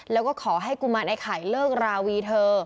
แล้วก็ขอให้กุมารไอ้ไข่เลิกราวีเธอ